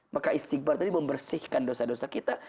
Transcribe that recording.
maka istighbar tadi membersihkan dosa dosa kita